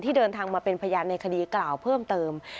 เดินทางมาเป็นพยานในคดีกล่าวเพิ่มเติม